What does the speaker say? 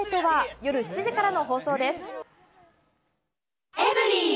夜７時からの放送です。